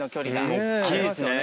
大っきいですね。